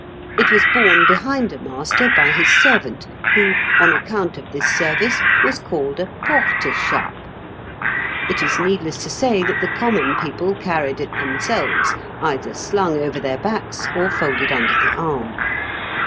It was borne behind a master by his servant, who, on account of this service was called a porte chape. It is needless to say that the common people carried it themselves, either slung over their backs, or folded under the arm."